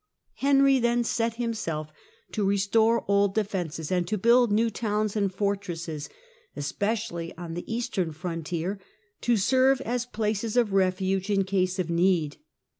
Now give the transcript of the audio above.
Henry then set himself to restore old de fences, and to build new towns and fortresses, especially on the eastern frontier, to serve as places of refuge in case jf need.